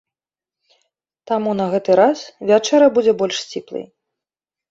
Таму на гэты раз вячэра будзе больш сціплай.